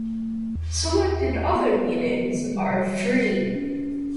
Selected other meetings are free.